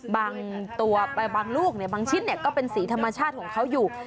บางตัวครักบางลูกค่ะบางชิ้นเนี่ยก็เป็นสีธรรมชาติของเขาอยู่